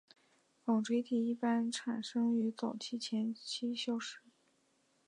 纺锤体一般产生于早前期消失。